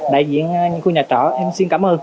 đại diện nhà trọ em xin cảm ơn